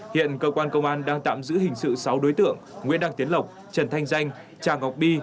hiện cơ quan công an đang tạm giữ hình sự sáu đối tượng nguyễn đăng tiến lộc trần thanh danh tràng ngọc bi